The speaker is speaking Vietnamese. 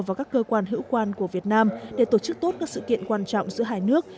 và các cơ quan hữu quan của việt nam để tổ chức tốt các sự kiện quan trọng giữa hai nước